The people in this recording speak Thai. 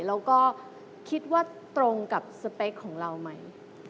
แล้วก็คิดว่าตรงกับสเปคของเราไหม